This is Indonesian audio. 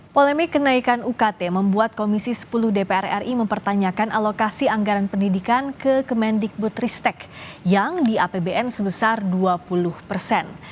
polemik kenaikan ukt membuat komisi sepuluh dpr ri mempertanyakan alokasi anggaran pendidikan ke kemendikbud ristek yang di apbn sebesar dua puluh persen